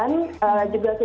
diperoleh ke ksppa